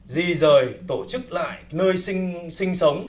di rời tổ chức lại nơi sinh sống